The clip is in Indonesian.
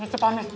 itu pak amir